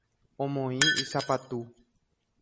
Omoĩ isapatu.